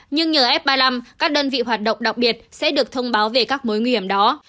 nhưng nhờ f ba mươi năm các đơn vị hoạt động đặc biệt sẽ được thông báo về các mối nguy hiểm đó